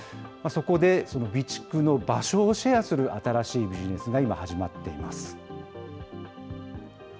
そこで備蓄の場所をシェアする新しいビジネスが今、始まっています。